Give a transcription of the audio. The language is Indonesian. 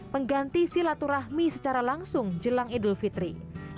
pengganti silaturahmi secara langsung jelang idul fitri